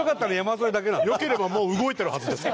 良ければもう動いてるはずですから。